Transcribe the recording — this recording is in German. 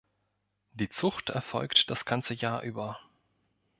Die Zucht erfolgt das ganze Jahr über.